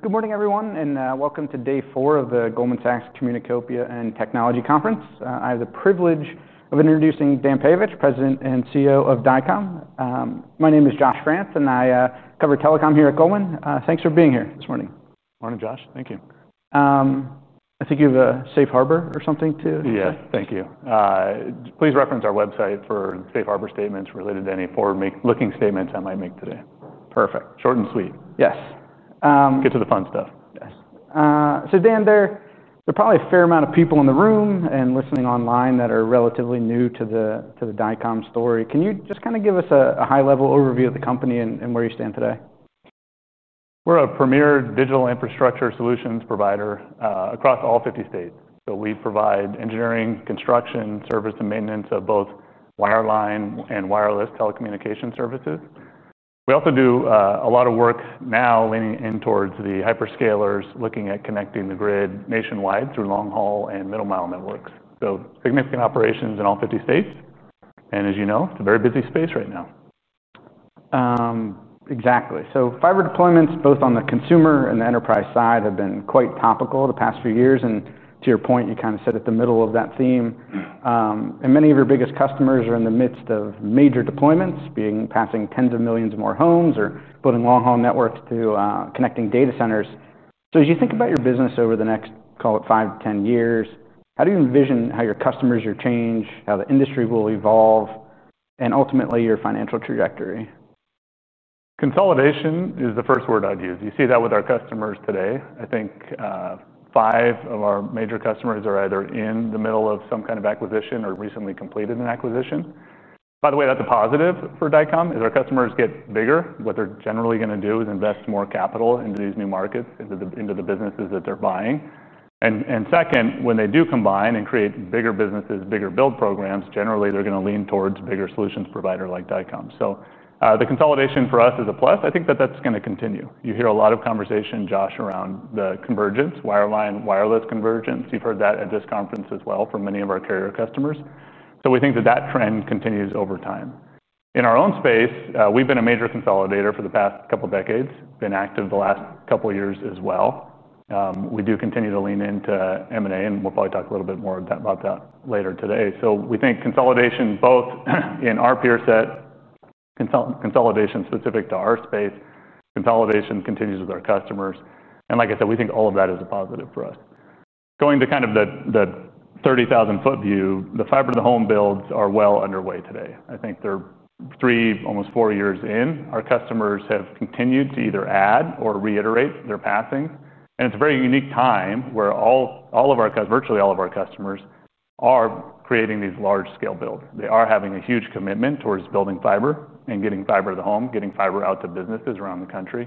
Good morning, everyone, and welcome to day four of the Goldman Sachs Communicopia and Technology Conference. I have the privilege of introducing Dan Peyovich, President and CEO of Dycom Industries. My name is Josh Grants, and I cover telecom here at Goldman Sachs. Thanks for being here this morning. Morning, Josh. Thank you. I think you have a safe harbor or something to say. Yes, thank you. Please reference our website for safe harbor statements related to any forward-looking statements I might make today. Perfect. Short and sweet. Yes. Get to the fun stuff. Yes. Dan, there are probably a fair amount of people in the room and listening online that are relatively new to the Dycom Industries story. Can you just kind of give us a high-level overview of the company and where you stand today? We're a premier digital infrastructure solutions provider across all 50 states. We provide engineering, construction, service, and maintenance of both wireline and wireless telecommunication services. We also do a lot of work now leaning in towards the hyperscalers, looking at connecting the grid nationwide through long-haul and middle-mile networks. Significant operations in all 50 states. As you know, it's a very busy space right now. Exactly. Fiber deployments both on the consumer and the enterprise side have been quite topical the past few years. To your point, you kind of sit at the middle of that theme. Many of your biggest customers are in the midst of major deployments, passing tens of millions of more homes or putting long-haul networks to connecting data centers. As you think about your business over the next, call it, five to ten years, how do you envision how your customers will change, how the industry will evolve, and ultimately your financial trajectory? Consolidation is the first word I'd use. You see that with our customers today. I think five of our major customers are either in the middle of some kind of acquisition or recently completed an acquisition. By the way, that's a positive for Dycom Industries. As our customers get bigger, what they're generally going to do is invest more capital into these new markets, into the businesses that they're buying. When they do combine and create bigger businesses, bigger build programs, generally they're going to lean towards a bigger solutions provider like Dycom Industries. The consolidation for us is a plus. I think that that's going to continue. You hear a lot of conversation, Josh, around the convergence, wireline and wireless convergence. You've heard that at this conference as well from many of our carrier customers. We think that that trend continues over time. In our own space, we've been a major consolidator for the past couple of decades, been active the last couple of years as well. We do continue to lean into M&A, and we'll probably talk a little bit more about that later today. We think consolidation both in our peer set, consolidation specific to our space, consolidation continues with our customers. Like I said, we think all of that is a positive for us. Going to kind of the 30,000-foot view, the fiber-to-the-home builds are well underway today. I think they're three, almost four years in. Our customers have continued to either add or reiterate their passings. It's a very unique time where all of our customers, virtually all of our customers, are creating these large-scale builds. They are having a huge commitment towards building fiber and getting fiber to the home, getting fiber out to businesses around the country.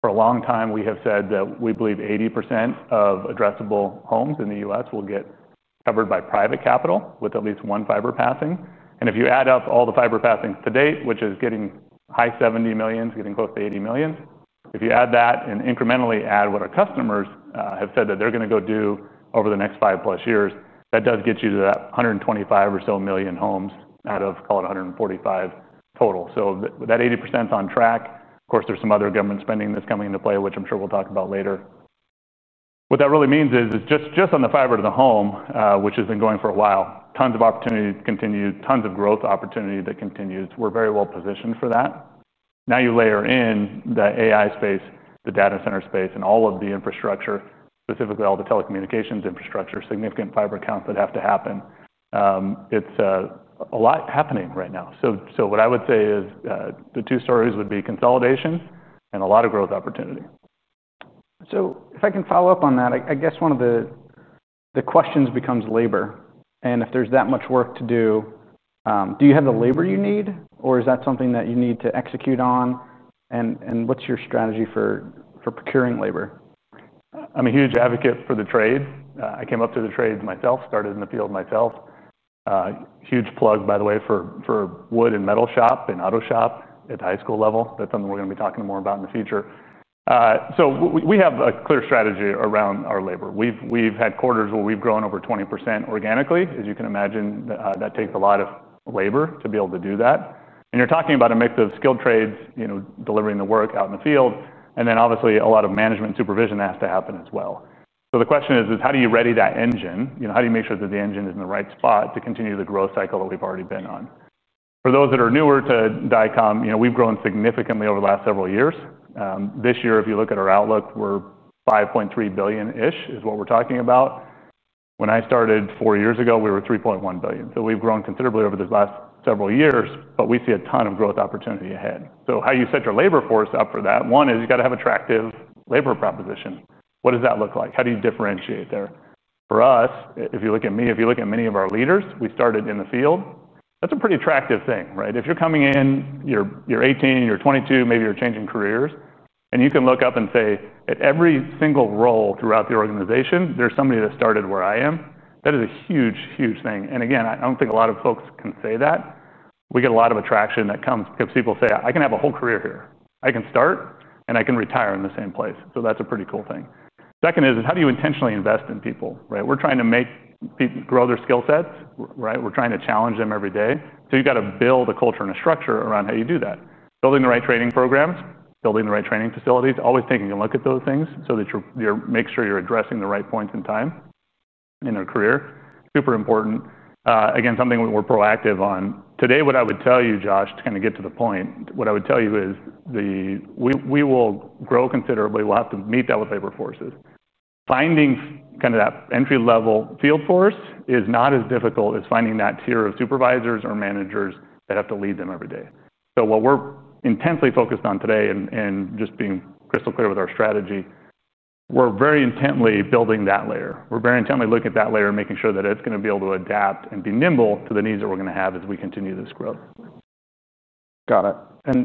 For a long time, we have said that we believe 80% of addressable homes in the U.S. will get covered by private capital with at least one fiber passing. If you add up all the fiber passings to date, which is getting high 70 million, getting close to 80 million, if you add that and incrementally add what our customers have said that they're going to go do over the next five plus years, that does get you to that 125 or so million homes out of, call it, 145 total. That 80% is on track. Of course, there's some other government spending that's coming into play, which I'm sure we'll talk about later. What that really means is it's just on the fiber to the home, which has been going for a while. Tons of opportunity to continue, tons of growth opportunity that continues. We're very well positioned for that. Now you layer in the AI space, the data center space, and all of the infrastructure, specifically all the telecommunications infrastructure, significant fiber accounts that have to happen. It's a lot happening right now. What I would say is the two stories would be consolidation and a lot of growth opportunity. If I can follow up on that, I guess one of the questions becomes labor. If there's that much work to do, do you have the labor you need, or is that something that you need to execute on? What's your strategy for procuring labor? I'm a huge advocate for the trade. I came up through the trades myself, started in the field myself. Huge plug, by the way, for wood and metal shop and auto shop at the high school level. That's something we're going to be talking more about in the future. We have a clear strategy around our labor. We've had quarters where we've grown over 20% organically. As you can imagine, that takes a lot of labor to be able to do that. You're talking about a mix of skilled trades, you know, delivering the work out in the field. Obviously, a lot of management supervision has to happen as well. The question is, how do you ready that engine? How do you make sure that the engine is in the right spot to continue the growth cycle that we've already been on? For those that are newer to Dycom Industries, we've grown significantly over the last several years. This year, if you look at our outlook, we're $5.3 billion-ish is what we're talking about. When I started four years ago, we were $3.1 billion. We've grown considerably over these last several years, but we see a ton of growth opportunity ahead. How do you set your labor force up for that? One is you've got to have an attractive labor proposition. What does that look like? How do you differentiate there? For us, if you look at me, if you look at many of our leaders, we started in the field. That's a pretty attractive thing, right? If you're coming in, you're 18, you're 22, maybe you're changing careers, and you can look up and say, at every single role throughout the organization, there's somebody that started where I am. That is a huge, huge thing. I don't think a lot of folks can say that. We get a lot of attraction that comes because people say, I can have a whole career here. I can start and I can retire in the same place. That's a pretty cool thing. Second is, how do you intentionally invest in people? We're trying to make people grow their skill sets. We're trying to challenge them every day. You've got to build a culture and a structure around how you do that. Building the right training programs, building the right training facilities, always taking a look at those things so that you make sure you're addressing the right points in time in their career. Super important. Again, something we're proactive on. Today, what I would tell you, Josh, to kind of get to the point, what I would tell you is we will grow considerably. We have to meet that with labor forces. Finding kind of that entry-level field force is not as difficult as finding that tier of supervisors or managers that have to lead them every day. What we're intensely focused on today, and just being crystal clear with our strategy, we're very intently building that layer. We're very intently looking at that layer, making sure that it's going to be able to adapt and be nimble to the needs that we're going to have as we continue this growth. Got it.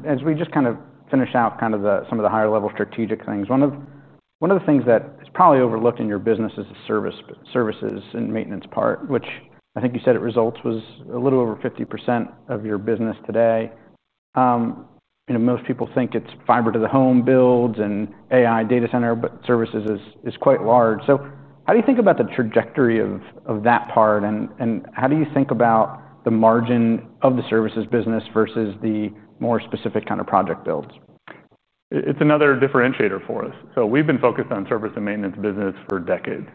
As we just kind of finish out some of the higher-level strategic things, one of the things that is probably overlooked in your business is the services and maintenance part, which I think you said in results was a little over 50% of your business today. Most people think it's fiber-to-the-home builds and AI data center services is quite large. How do you think about the trajectory of that part? How do you think about the margin of the services business versus the more specific kind of project builds? It's another differentiator for us. We've been focused on the service and maintenance business for decades.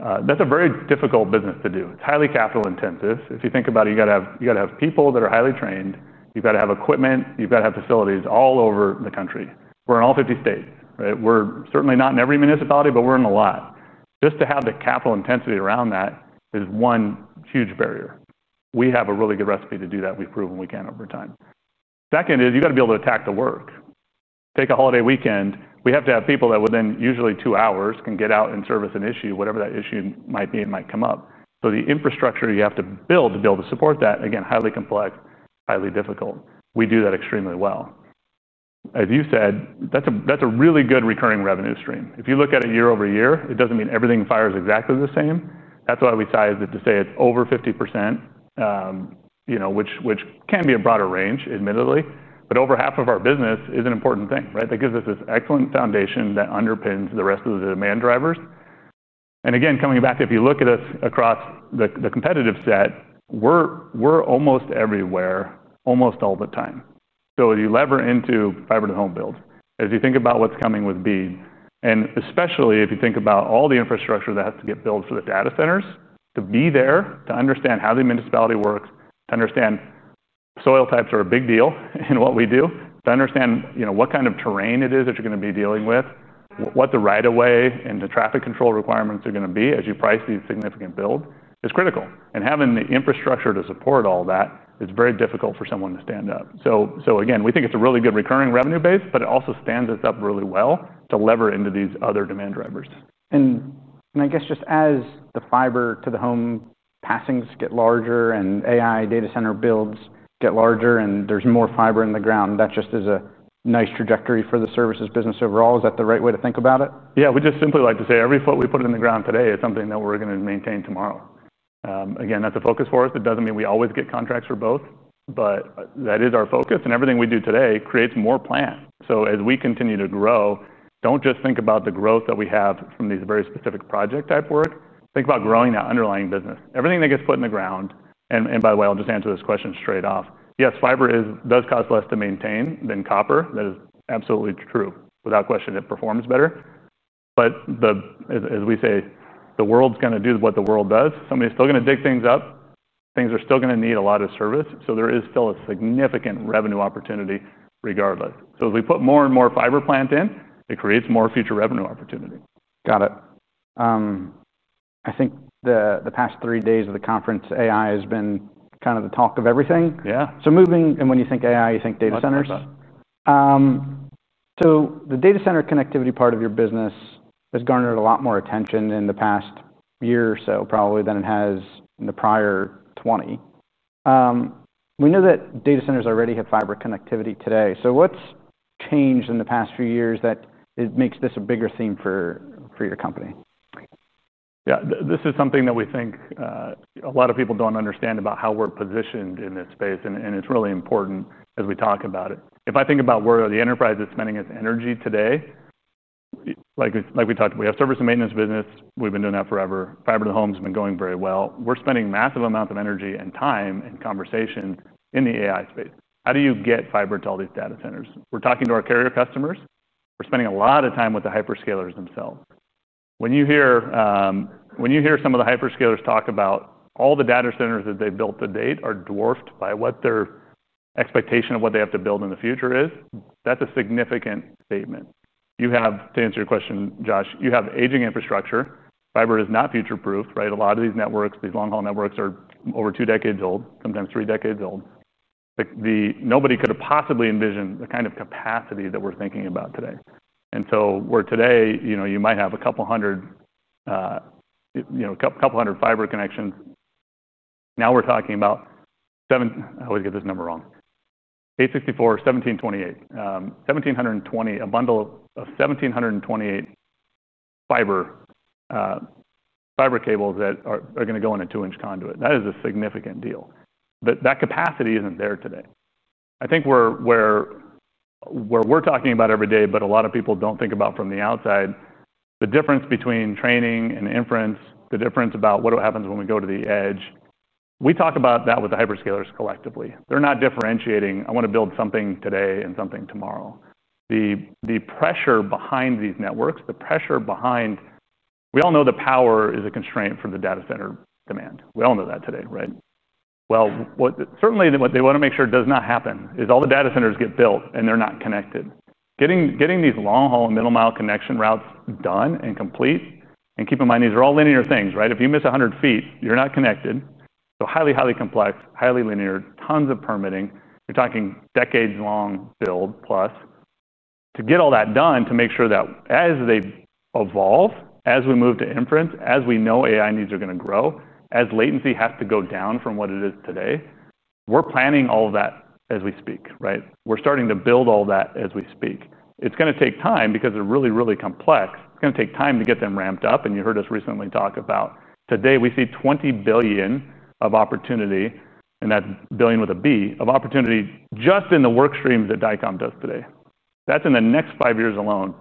That's a very difficult business to do. It's highly capital intensive. If you think about it, you've got to have people that are highly trained. You've got to have equipment. You've got to have facilities all over the country. We're in all 50 states. We're certainly not in every municipality, but we're in a lot. Just to have the capital intensity around that is one huge barrier. We have a really good recipe to do that. We've proven we can over time. Second is you've got to be able to attack the work. Take a holiday weekend. We have to have people that within usually two hours can get out and service an issue, whatever that issue might be, it might come up. The infrastructure you have to build to be able to support that, again, highly complex, highly difficult. We do that extremely well. As you said, that's a really good recurring revenue stream. If you look at it year over year, it doesn't mean everything fires exactly the same. That's why we size it to say it's over 50%, you know, which can be a broader range, admittedly. Over half of our business is an important thing, right? That gives us this excellent foundation that underpins the rest of the demand drivers. Again, coming back, if you look at us across the competitive set, we're almost everywhere, almost all the time. As you lever into fiber-to-the-home builds, as you think about what's coming with BEAD, and especially if you think about all the infrastructure that has to get built for the data centers, to be there, to understand how the municipality works, to understand soil types are a big deal in what we do, to understand, you know, what kind of terrain it is that you're going to be dealing with, what the right-of-way and the traffic control requirements are going to be as you price these significant builds is critical. Having the infrastructure to support all that is very difficult for someone to stand up. We think it's a really good recurring revenue base, but it also stands us up really well to lever into these other demand drivers. As the fiber-to-the-home passings get larger and AI-driven data center builds get larger and there's more fiber in the ground, that is a nice trajectory for the services business overall. Is that the right way to think about it? Yeah, we just simply like to say every foot we put in the ground today is something that we're going to maintain tomorrow. That's a focus for us. It doesn't mean we always get contracts for both, but that is our focus. Everything we do today creates more plant. As we continue to grow, don't just think about the growth that we have from these very specific project type work. Think about growing that underlying business. Everything that gets put in the ground, and by the way, I'll just answer this question straight off. Yes, fiber does cost less to maintain than copper. That is absolutely true. Without question, it performs better. The world's going to do what the world does. Somebody's still going to dig things up. Things are still going to need a lot of service. There is still a significant revenue opportunity regardless. As we put more and more fiber plants in, it creates more future revenue opportunity. Got it. I think the past three days of the conference, AI has been kind of the talk of everything. Yeah. Moving, and when you think AI, you think data centers. 100%. The data center connectivity part of your business has garnered a lot more attention in the past year or so, probably, than it has in the prior 20. We know that data centers already have fiber connectivity today. What's changed in the past few years that makes this a bigger theme for your company? Yeah, this is something that we think a lot of people don't understand about how we're positioned in this space, and it's really important as we talk about it. If I think about where the enterprise is spending its energy today, like we talked, we have service and maintenance business. We've been doing that forever. Fiber-to-the-home has been going very well. We're spending a massive amount of energy and time and conversation in the AI space. How do you get fiber to all these data centers? We're talking to our carrier customers. We're spending a lot of time with the hyperscalers themselves. When you hear some of the hyperscalers talk about all the data centers that they've built to date are dwarfed by what their expectation of what they have to build in the future is, that's a significant statement. You have, to answer your question, Josh, you have aging infrastructure. Fiber is not future-proof, right? A lot of these networks, these long-haul networks, are over two decades old, sometimes three decades old. Nobody could have possibly envisioned the kind of capacity that we're thinking about today. Where today, you might have a couple hundred fiber connections, now we're talking about, I always get this number wrong, 864, 1728, 1720, a bundle of 1728 fiber cables that are going to go in a two-inch conduit. That is a significant deal. That capacity isn't there today. I think where we're talking about every day, but a lot of people don't think about from the outside, the difference between training and inference, the difference about what happens when we go to the edge. We talk about that with the hyperscalers collectively. They're not differentiating, I want to build something today and something tomorrow. The pressure behind these networks, the pressure behind, we all know the power is a constraint for the data center demand. We all know that today, right? What they want to make sure does not happen is all the data centers get built and they're not connected. Getting these long-haul and middle-mile connection routes done and complete, and keep in mind these are all linear things, right? If you miss 100 feet, you're not connected. Highly, highly complex, highly linear, tons of permitting. You're talking decades-long build plus. To get all that done, to make sure that as they evolve, as we move to inference, as we know AI needs are going to grow, as latency has to go down from what it is today, we're planning all of that as we speak, right? We're starting to build all that as we speak. It's going to take time because they're really, really complex. It's going to take time to get them ramped up. You heard us recently talk about today, we see $20 billion of opportunity, and that's billion with a B, of opportunity just in the workstreams that Dycom Industries does today. That's in the next five years alone.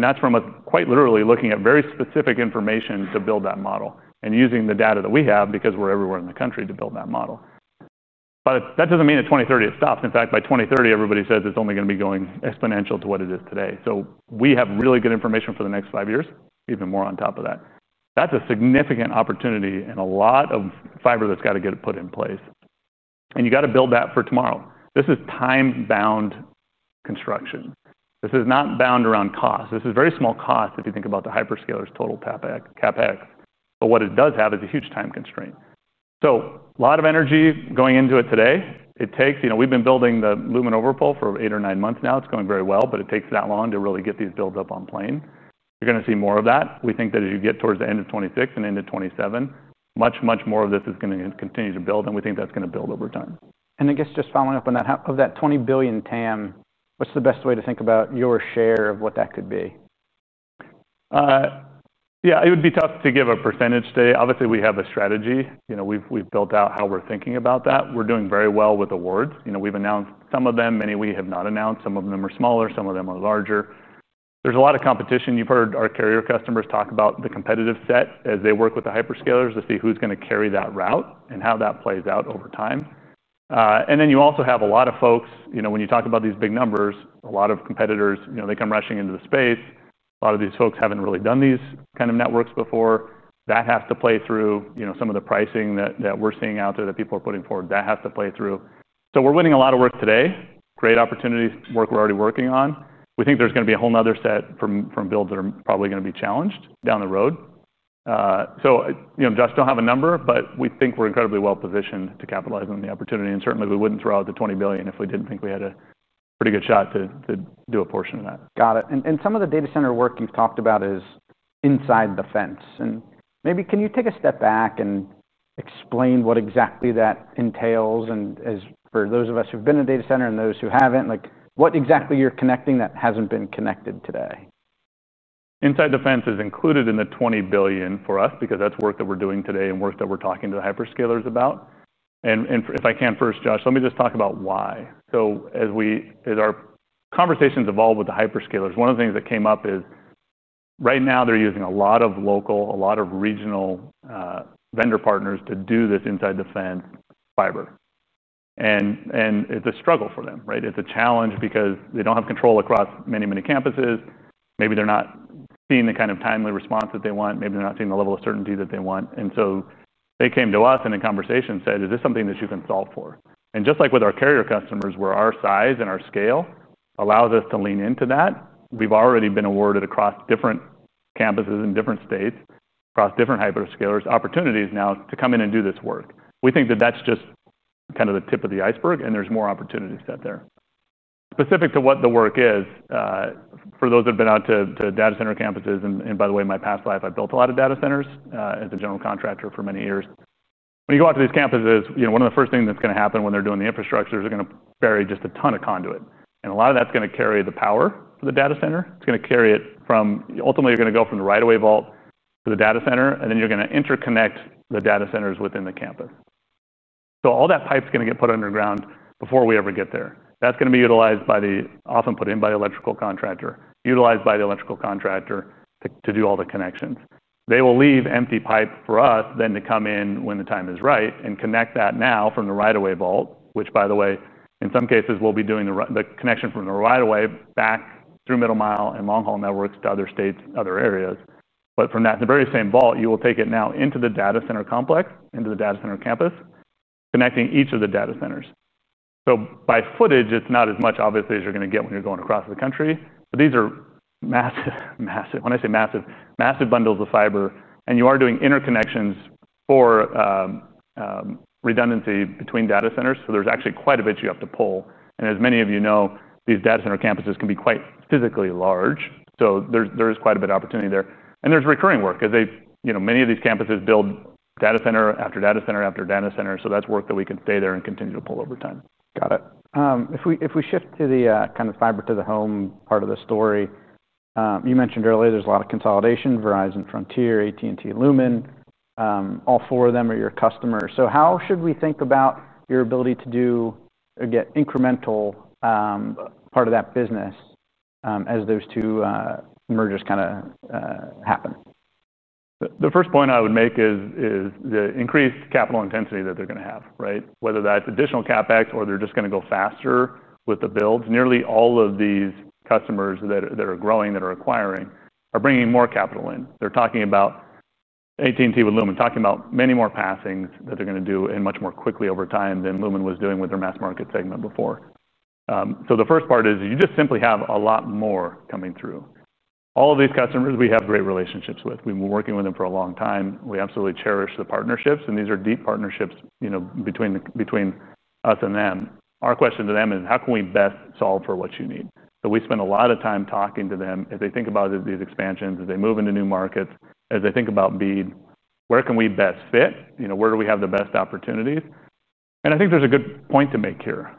That's from us quite literally looking at very specific information to build that model and using the data that we have because we're everywhere in the United States to build that model. That doesn't mean at 2030 it stops. In fact, by 2030, everybody says it's only going to be going exponential to what it is today. We have really good information for the next five years, even more on top of that. That's a significant opportunity and a lot of fiber that's got to get put in place. You got to build that for tomorrow. This is time-bound construction. This is not bound around cost. This is very small cost if you think about the hyperscalers' total CapEx. What it does have is a huge time constraint. A lot of energy going into it today. It takes, you know, we've been building the Lumen Overpole for eight or nine months now. It's going very well, but it takes that long to really get these builds up on plane. You're going to see more of that. We think that as you get towards the end of 2026 and end of 2027, much, much more of this is going to continue to build, and we think that's going to build over time. Just following up on that, of that $20 billion total addressable market, what's the best way to think about your share of what that could be? Yeah, it would be tough to give a % today. Obviously, we have a strategy. We've built out how we're thinking about that. We're doing very well with awards. We've announced some of them. Many we have not announced. Some of them are smaller. Some of them are larger. There's a lot of competition. You've heard our carrier customers talk about the competitive set as they work with the hyperscalers to see who's going to carry that route and how that plays out over time. You also have a lot of folks, when you talk about these big numbers, a lot of competitors, they come rushing into the space. A lot of these folks haven't really done these kind of networks before. That has to play through some of the pricing that we're seeing out there that people are putting forward. That has to play through. We're winning a lot of work today. Great opportunities, work we're already working on. We think there's going to be a whole another set from builds that are probably going to be challenged down the road. Josh, don't have a number, but we think we're incredibly well positioned to capitalize on the opportunity. Certainly, we wouldn't throw out the $20 billion if we didn't think we had a pretty good shot to do a portion of that. Got it. Some of the data center work you've talked about is inside the fence. Maybe can you take a step back and explain what exactly that entails? For those of us who've been in a data center and those who haven't, what exactly you're connecting that hasn't been connected today? Inside the fence is included in the $20 billion for us because that's work that we're doing today and work that we're talking to the hyperscalers about. If I can first, Josh, let me just talk about why. As our conversations evolve with the hyperscalers, one of the things that came up is right now they're using a lot of local, a lot of regional vendor partners to do this inside the fence fiber. It's a struggle for them, right? It's a challenge because they don't have control across many, many campuses. Maybe they're not seeing the kind of timely response that they want. Maybe they're not seeing the level of certainty that they want. They came to us and in conversation said, is this something that you can solve for? Just like with our carrier customers, where our size and our scale allows us to lean into that, we've already been awarded across different campuses in different states, across different hyperscalers, opportunities now to come in and do this work. We think that that's just kind of the tip of the iceberg and there's more opportunities out there. Specific to what the work is, for those that have been out to data center campuses, and by the way, in my past life, I've built a lot of data centers as a general contractor for many years. When you go out to these campuses, one of the first things that's going to happen when they're doing the infrastructure is they're going to bury just a ton of conduit. A lot of that's going to carry the power for the data center. It's going to carry it from, ultimately, you're going to go from the right-of-way vault to the data center, and then you're going to interconnect the data centers within the campus. All that pipe's going to get put underground before we ever get there. That's going to be utilized by the, often put in by the electrical contractor, utilized by the electrical contractor to do all the connections. They will leave empty pipe for us then to come in when the time is right and connect that now from the right-of-way vault, which, by the way, in some cases, we'll be doing the connection from the right-of-way back through middle-mile and long-haul networks to other states, other areas. From that, the very same vault, you will take it now into the data center complex, into the data center campus, connecting each of the data centers. By footage, it's not as much obviously as you're going to get when you're going across the country. These are massive, massive, when I say massive, massive bundles of fiber. You are doing interconnections for redundancy between data centers. There's actually quite a bit you have to pull. As many of you know, these data center campuses can be quite physically large. There's quite a bit of opportunity there, and there's recurring work because many of these campuses build data center after data center after data center. That's work that we can stay there and continue to pull over time. Got it. If we shift to the kind of fiber-to-the-home part of the story, you mentioned earlier there's a lot of consolidation, Verizon, Frontier Communications, AT&T, Lumen Technologies. All four of them are your customers. How should we think about your ability to do, again, incremental part of that business as those two mergers kind of happen? The first point I would make is the increased capital intensity that they're going to have, right? Whether that's additional CapEx or they're just going to go faster with the builds, nearly all of these customers that are growing, that are acquiring, are bringing more capital in. They're talking about AT&T with Lumen, talking about many more passings that they're going to do and much more quickly over time than Lumen was doing with their mass market segment before. The first part is you just simply have a lot more coming through. All of these customers we have great relationships with. We've been working with them for a long time. We absolutely cherish the partnerships, and these are deep partnerships, you know, between us and them. Our question to them is how can we best solve for what you need? We spend a lot of time talking to them. If they think about these expansions, if they move into new markets, as they think about BEAD, where can we best fit? Where do we have the best opportunities? I think there's a good point to make here.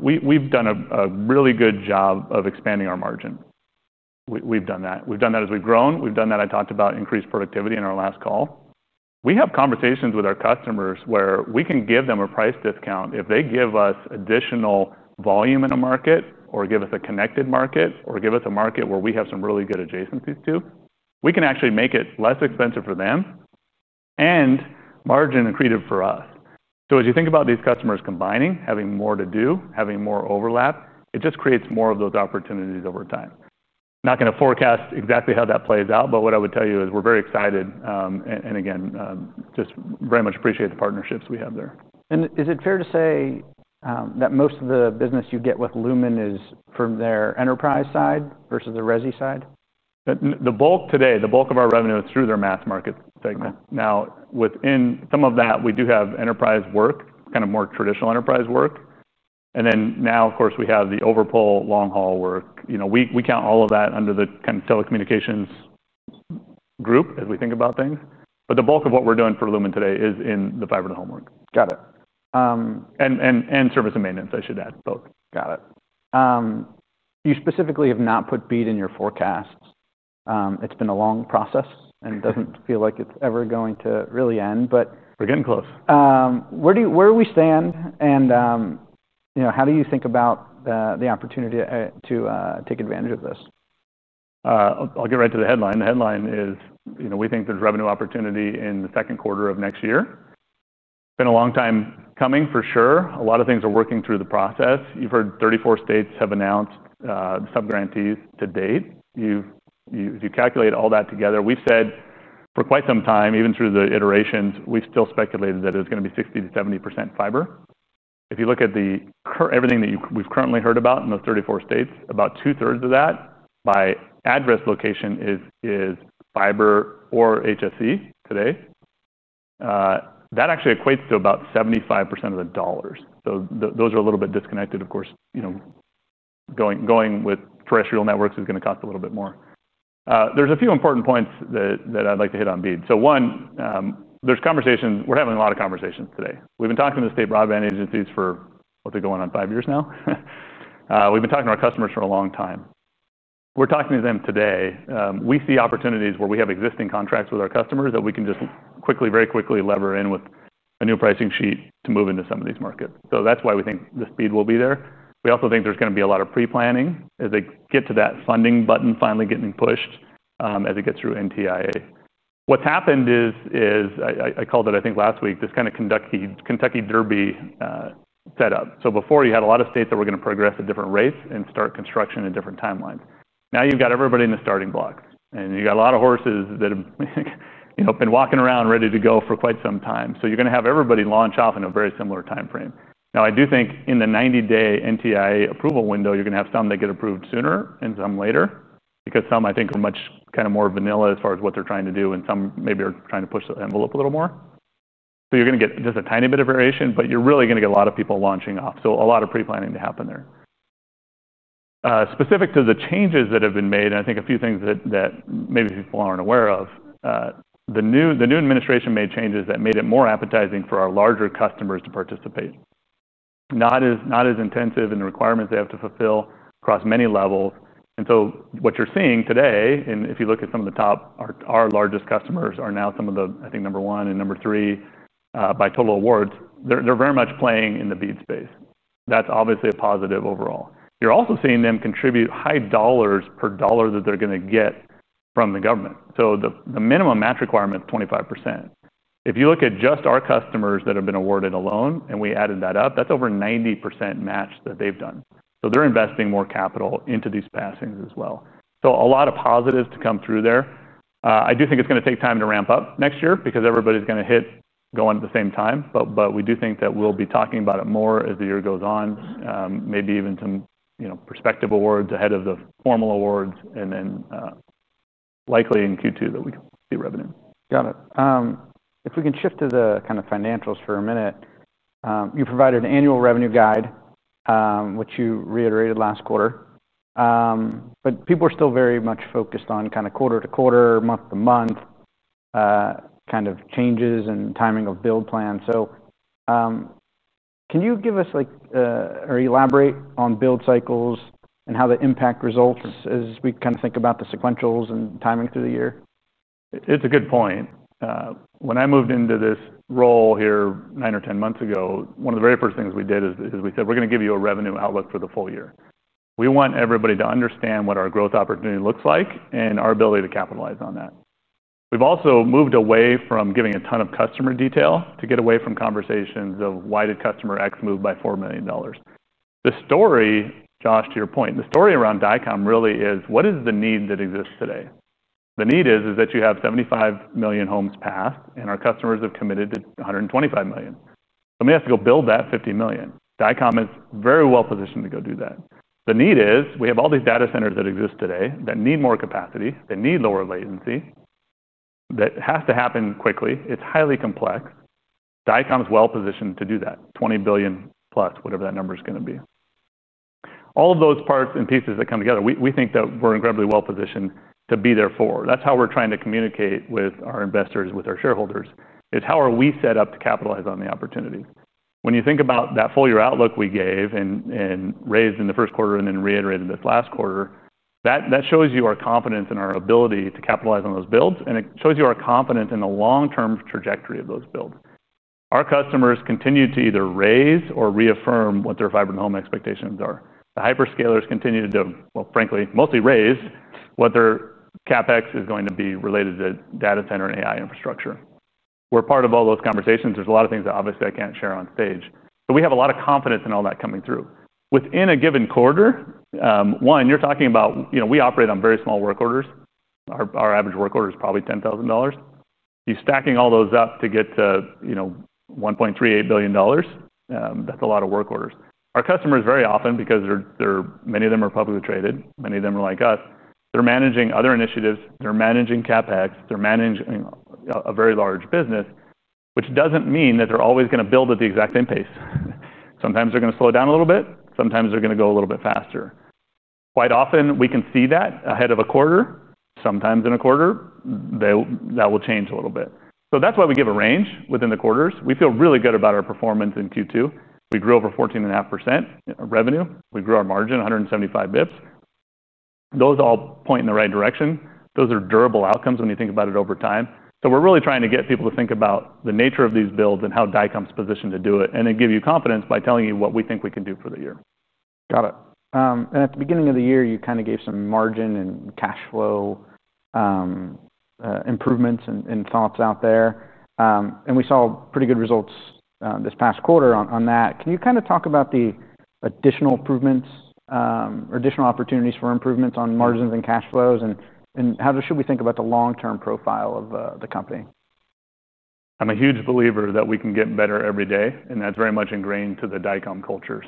We've done a really good job of expanding our margin. We've done that. We've done that as we've grown. We've done that. I talked about increased productivity in our last call. We have conversations with our customers where we can give them a price discount. If they give us additional volume in a market or give us a connected market or give us a market where we have some really good adjacencies to, we can actually make it less expensive for them and margin increased for us. As you think about these customers combining, having more to do, having more overlap, it just creates more of those opportunities over time. Not going to forecast exactly how that plays out, but what I would tell you is we're very excited and again, just very much appreciate the partnerships we have there. Is it fair to say that most of the business you get with Lumen is from their enterprise side versus the resi side? The bulk today, the bulk of our revenue is through their mass market segment. Now, within some of that, we do have enterprise work, kind of more traditional enterprise work. Now, of course, we have the overpull long-haul work. We count all of that under the kind of telecommunications group as we think about things. The bulk of what we're doing for Lumen today is in the fiber-to-the-home work. Got it. Service and maintenance, I should add, both. Got it. You specifically have not put BEAD in your forecasts. It's been a long process and doesn't feel like it's ever going to really end. We're getting close. Where do we stand, and how do you think about the opportunity to take advantage of this? I'll get right to the headline. The headline is, you know, we think there's revenue opportunity in the second quarter of next year. It's been a long time coming for sure. A lot of things are working through the process. You've heard 34 states have announced sub-grantees to date. As you calculate all that together, we've said for quite some time, even through the iterations, we've still speculated that it was going to be 60 to 70% fiber. If you look at everything that we've currently heard about in those 34 states, about two-thirds of that by address location is fiber or HSE today. That actually equates to about 75% of the dollars. Those are a little bit disconnected. Of course, you know, going with terrestrial networks is going to cost a little bit more. There are a few important points that I'd like to hit on BEAD. One, there's conversations. We're having a lot of conversations today. We've been talking to the state broadband agencies for, I'll say, going on five years now. We've been talking to our customers for a long time. We're talking to them today. We see opportunities where we have existing contracts with our customers that we can just quickly, very quickly lever in with a new pricing sheet to move into some of these markets. That's why we think the speed will be there. We also think there's going to be a lot of pre-planning as they get to that funding button finally getting pushed as it gets through NTIA. What's happened is, I called it, I think last week, this kind of Kentucky Derby setup. Before, you had a lot of states that were going to progress at different rates and start construction at different timelines. Now you've got everybody in the starting block and you've got a lot of horses that have, you know, been walking around ready to go for quite some time. You're going to have everybody launch off in a very similar timeframe. I do think in the 90-day NTIA approval window, you're going to have some that get approved sooner and some later because some, I think, are much kind of more vanilla as far as what they're trying to do and some maybe are trying to push the envelope a little more. You're going to get just a tiny bit of variation, but you're really going to get a lot of people launching off. A lot of pre-planning to happen there. Specific to the changes that have been made, and I think a few things that maybe people aren't aware of, the new administration made changes that made it more appetizing for our larger customers to participate. Not as intensive in the requirements they have to fulfill across many levels. What you're seeing today, and if you look at some of the top, our largest customers are now some of the, I think, number one and number three by total awards. They're very much playing in the BEAD space. That's obviously a positive overall. You're also seeing them contribute high dollars per dollar that they're going to get from the government. The minimum match requirement is 25%. If you look at just our customers that have been awarded alone and we added that up, that's over 90% match that they've done. They're investing more capital into these passings as well. A lot of positives to come through there. I do think it's going to take time to ramp up next year because everybody's going to hit going at the same time. We do think that we'll be talking about it more as the year goes on, maybe even some, you know, prospective awards ahead of the formal awards and then likely in Q2 that we can see revenue. Got it. If we can shift to the kind of financials for a minute, you provided an annual revenue guide, which you reiterated last quarter. People are still very much focused on kind of quarter to quarter, month to month, changes and timing of build plans. Can you give us like or elaborate on build cycles and how the impact results as we kind of think about the sequentials and timing through the year? It's a good point. When I moved into this role here nine or ten months ago, one of the very first things we did is we said we're going to give you a revenue outlook for the full year. We want everybody to understand what our growth opportunity looks like and our ability to capitalize on that. We've also moved away from giving a ton of customer detail to get away from conversations of why did customer X move by $4 million? The story, Josh, to your point, the story around Dycom Industries really is what is the need that exists today? The need is that you have 75 million homes passed and our customers have committed to 125 million. We have to go build that 50 million. Dycom Industries is very well positioned to go do that. The need is we have all these data centers that exist today that need more capacity, that need lower latency, that have to happen quickly. It's highly complex. Dycom Industries is well positioned to do that. $20 billion plus, whatever that number is going to be. All of those parts and pieces that come together, we think that we're incredibly well positioned to be there for. That's how we're trying to communicate with our investors, with our shareholders, is how are we set up to capitalize on the opportunities. When you think about that full-year outlook we gave and raised in the first quarter and then reiterated this last quarter, that shows you our confidence in our ability to capitalize on those builds and it shows you our confidence in the long-term trajectory of those builds. Our customers continue to either raise or reaffirm what their fiber-to-the-home expectations are. The hyperscalers continue to, frankly, mostly raise what their CapEx is going to be related to data center and AI-driven fiber infrastructure. We're part of all those conversations. There are a lot of things that obviously I can't share on stage. We have a lot of confidence in all that coming through. Within a given quarter, one, you're talking about, you know, we operate on very small work orders. Our average work order is probably $10,000. You're stacking all those up to get to $1.38 billion. That's a lot of work orders. Our customers very often, because many of them are publicly traded, many of them are like us, they're managing other initiatives, they're managing CapEx, they're managing a very large business, which doesn't mean that they're always going to build at the exact same pace. Sometimes they're going to slow down a little bit, sometimes they're going to go a little bit faster. Quite often we can see that ahead of a quarter, sometimes in a quarter, that will change a little bit. That's why we give a range within the quarters. We feel really good about our performance in Q2. We grew over 14.5% of revenue. We grew our margin 175 bps. Those all point in the right direction. Those are durable outcomes when you think about it over time. We're really trying to get people to think about the nature of these builds and how Dycom Industries is positioned to do it and then give you confidence by telling you what we think we can do for the year. Got it. At the beginning of the year, you kind of gave some margin and cash flow improvements and thoughts out there. We saw pretty good results this past quarter on that. Can you kind of talk about the additional improvements or additional opportunities for improvements on margins and cash flows, and how should we think about the long-term profile of the company? I'm a huge believer that we can get better every day, and that's very much ingrained to the Dycom culture.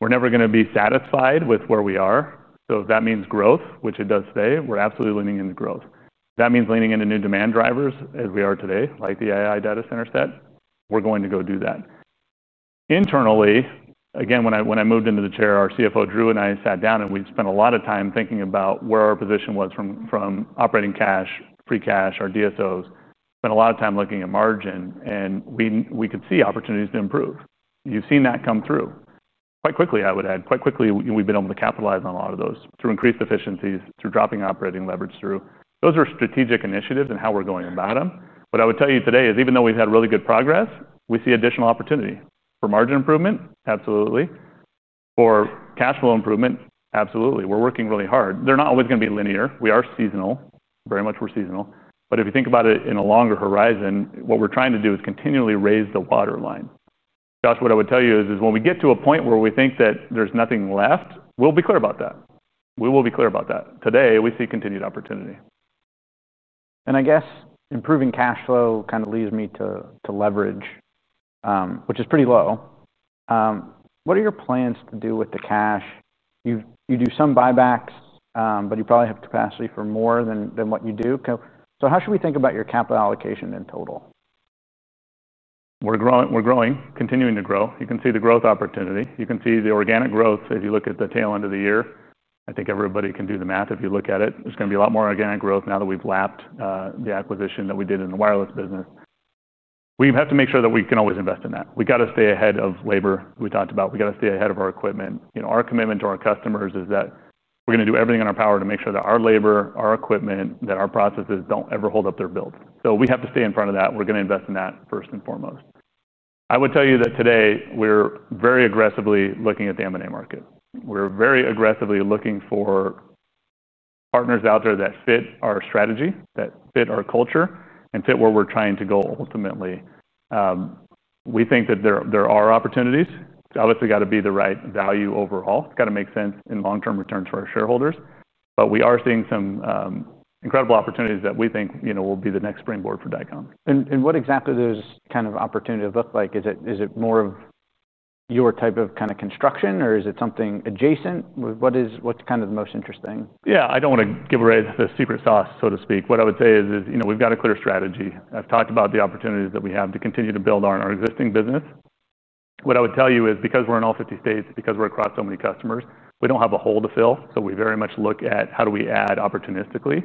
We're never going to be satisfied with where we are. If that means growth, which it does, we're absolutely leaning into growth. If that means leaning into new demand drivers as we are today, like the AI data center set, we're going to go do that. Internally, when I moved into the chair, our CFO, Drew, and I sat down and we spent a lot of time thinking about where our position was from operating cash, free cash, our DSOs. We spent a lot of time looking at margin, and we could see opportunities to improve. You've seen that come through. Quite quickly, I would add, quite quickly, we've been able to capitalize on a lot of those through increased efficiencies, through dropping operating leverage, through those strategic initiatives and how we're going about them. What I would tell you today is even though we've had really good progress, we see additional opportunity. For margin improvement, absolutely. For cash flow improvement, absolutely. We're working really hard. They're not always going to be linear. We are seasonal, very much we're seasonal. If you think about it in a longer horizon, what we're trying to do is continually raise the waterline. Josh, what I would tell you is when we get to a point where we think that there's nothing left, we'll be clear about that. We will be clear about that. Today, we see continued opportunity. I guess improving cash flow kind of leads me to leverage, which is pretty low. What are your plans to do with the cash? You do some buybacks, but you probably have capacity for more than what you do. How should we think about your capital allocation in total? We're growing, continuing to grow. You can see the growth opportunity. You can see the organic growth as you look at the tail end of the year. I think everybody can do the math if you look at it. There's going to be a lot more organic growth now that we've lapped the acquisition that we did in the wireless business. We have to make sure that we can always invest in that. We've got to stay ahead of labor. We talked about we've got to stay ahead of our equipment. Our commitment to our customers is that we're going to do everything in our power to make sure that our labor, our equipment, that our processes don't ever hold up their builds. We have to stay in front of that. We're going to invest in that first and foremost. I would tell you that today we're very aggressively looking at the M&A market. We're very aggressively looking for partners out there that fit our strategy, that fit our culture, and fit where we're trying to go ultimately. We think that there are opportunities. It's obviously got to be the right value overall. It's got to make sense in long-term returns for our shareholders. We are seeing some incredible opportunities that we think, you know, will be the next springboard for Dycom Industries. What exactly does this kind of opportunity look like? Is it more of your type of kind of construction or is it something adjacent? What is, what's kind of the most interesting? Yeah, I don't want to give away the secret sauce, so to speak. What I would say is, you know, we've got a clear strategy. I've talked about the opportunities that we have to continue to build on our existing business. What I would tell you is because we're in all 50 states, because we're across so many customers, we don't have a hole to fill. We very much look at how do we add opportunistically.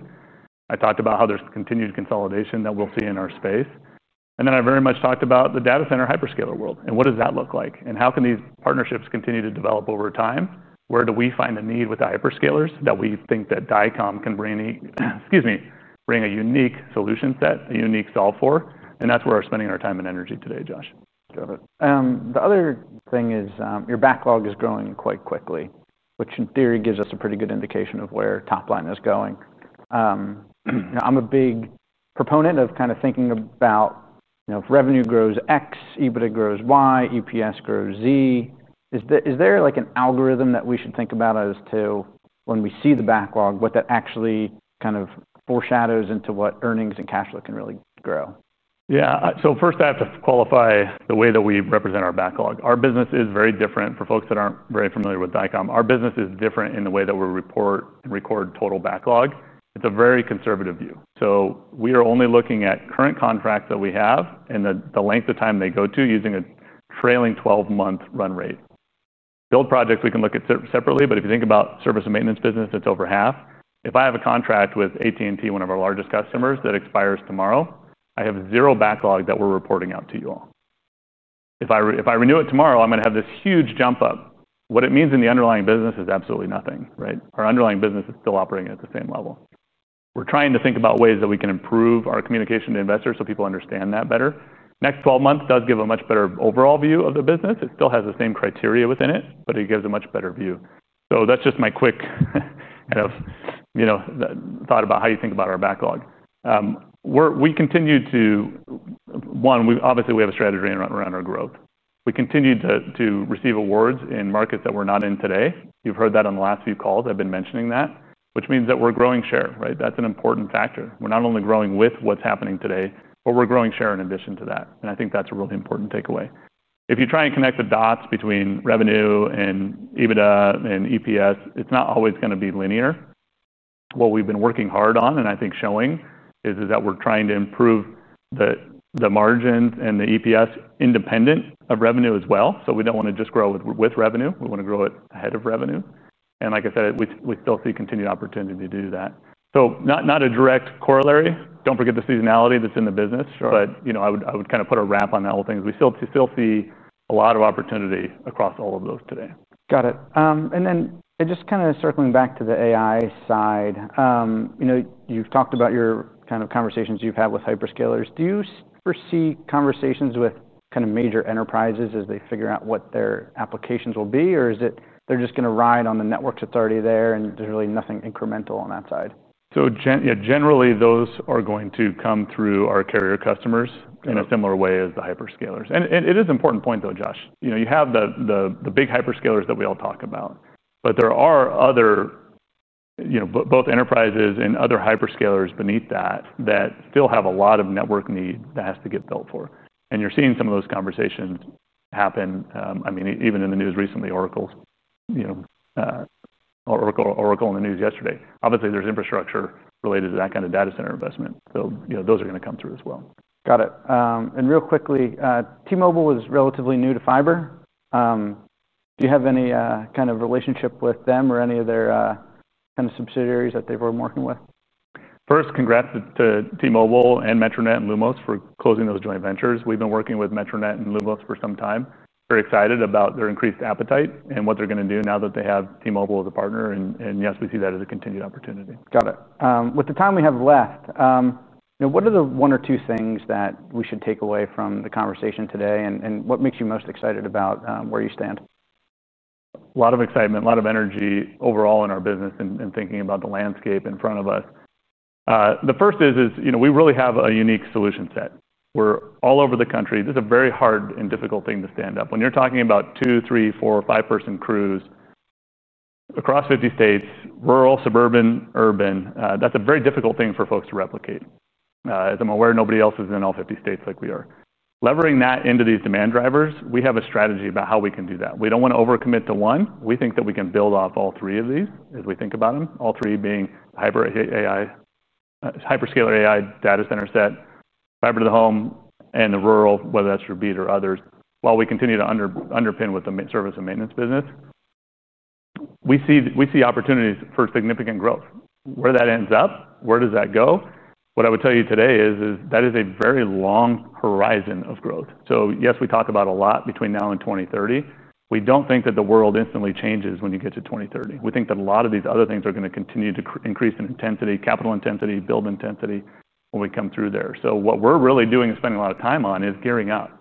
I talked about how there's continued consolidation that we'll see in our space. I very much talked about the data center hyperscaler world. What does that look like? How can these partnerships continue to develop over time? Where do we find the need with the hyperscalers that we think that Dycom can bring any, excuse me, bring a unique solution set, a unique solve for? That's where we're spending our time and energy today, Josh. Got it. The other thing is your backlog is growing quite quickly, which in theory gives us a pretty good indication of where top line is going. I'm a big proponent of kind of thinking about, you know, if revenue grows X, EBITDA grows Y, EPS grows Z. Is there like an algorithm that we should think about as to when we see the backlog, what that actually kind of foreshadows into what earnings and cash flow can really grow? Yeah, first I have to qualify the way that we represent our backlog. Our business is very different for folks that aren't very familiar with Dycom Industries. Our business is different in the way that we report and record total backlog. It's a very conservative view. We are only looking at current contracts that we have and the length of time they go to using a trailing 12-month run rate. Build projects we can look at separately, but if you think about service and maintenance business, it's over half. If I have a contract with AT&T, one of our largest customers, that expires tomorrow, I have zero backlog that we're reporting out to you all. If I renew it tomorrow, I'm going to have this huge jump up. What it means in the underlying business is absolutely nothing, right? Our underlying business is still operating at the same level. We're trying to think about ways that we can improve our communication to investors so people understand that better. Next 12 months does give a much better overall view of the business. It still has the same criteria within it, but it gives a much better view. That's just my quick thought about how you think about our backlog. We continue to, obviously we have a strategy around our growth. We continue to receive awards in markets that we're not in today. You've heard that on the last few calls. I've been mentioning that, which means that we're growing share, right? That's an important factor. We're not only growing with what's happening today, but we're growing share in addition to that. I think that's a really important takeaway. If you try and connect the dots between revenue and EBITDA and EPS, it's not always going to be linear. What we've been working hard on, and I think showing, is that we're trying to improve the margins and the EPS independent of revenue as well. We don't want to just grow with revenue. We want to grow it ahead of revenue. Like I said, we still see continued opportunity to do that. Not a direct corollary. Don't forget the seasonality that's in the business. I would kind of put a wrap on that whole thing. We still see a lot of opportunity across all of those today. Got it. Just kind of circling back to the AI side, you know, you've talked about your kind of conversations you've had with hyperscalers. Do you foresee conversations with kind of major enterprises as they figure out what their applications will be, or is it they're just going to ride on the networks that are already there and there's really nothing incremental on that side? Yes, generally those are going to come through our carrier customers in a similar way as the hyperscalers. It is an important point though, Josh. You have the big hyperscalers that we all talk about, but there are other, both enterprises and other hyperscalers beneath that, that still have a lot of network need that has to get built for. You're seeing some of those conversations happen. I mean, even in the news recently, Oracle, Oracle in the news yesterday. Obviously, there's infrastructure related to that kind of data center investment. Those are going to come through as well. Got it. Real quickly, T-Mobile was relatively new to fiber. Do you have any kind of relationship with them or any of their kind of subsidiaries that they've been working with? First, congrats to T-Mobile, Metronet, and Lumos for closing those joint ventures. We've been working with Metronet and Lumos for some time. We're excited about their increased appetite and what they're going to do now that they have T-Mobile as a partner. We see that as a continued opportunity. Got it. With the time we have left, what are the one or two things that we should take away from the conversation today, and what makes you most excited about where you stand? A lot of excitement, a lot of energy overall in our business and thinking about the landscape in front of us. The first is, you know, we really have a unique solution set. We're all over the country. It's a very hard and difficult thing to stand up. When you're talking about two, three, four, five-person crews across 50 states, rural, suburban, urban, that's a very difficult thing for folks to replicate. As I'm aware, nobody else is in all 50 states like we are. Leveraging that into these demand drivers, we have a strategy about how we can do that. We don't want to overcommit to one. We think that we can build off all three of these as we think about them. All three being the hyperscaler AI data center set, fiber-to-the-home, and the rural, whether that's your BEAD or others, while we continue to underpin with the service and maintenance business. We see opportunities for significant growth. Where that ends up, where does that go? What I would tell you today is that is a very long horizon of growth. Yes, we talk about a lot between now and 2030. We don't think that the world instantly changes when you get to 2030. We think that a lot of these other things are going to continue to increase in intensity, capital intensity, build intensity when we come through there. What we're really doing is spending a lot of time on is gearing up.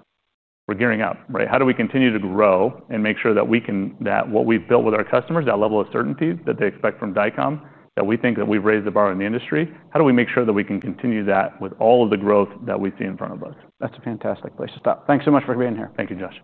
We're gearing up, right? How do we continue to grow and make sure that we can, that what we've built with our customers, that level of certainty that they expect from Dycom, that we think that we've raised the bar in the industry, how do we make sure that we can continue that with all of the growth that we see in front of us? That's a fantastic place to stop. Thanks so much for being here. Thank you, Josh.